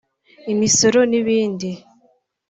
imisoro n’ibindi